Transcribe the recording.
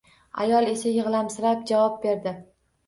Ayol esa yigʻlamsirab javob berdi.